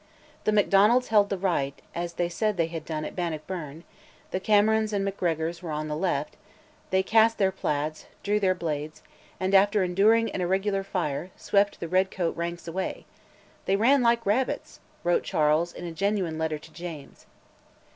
The Macdonalds held the right, as they said they had done at Bannockburn; the Camerons and Macgregors were on the left they "cast their plaids, drew their blades," and, after enduring an irregular fire, swept the red coat ranks away; "they ran like rabets," wrote Charles in a genuine letter to James.